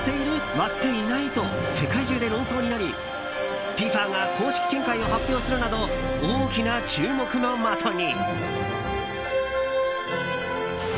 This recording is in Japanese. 割っていない？と世界中で論争になりＦＩＦＡが公式見解を発表するなど、大きな注目の的に。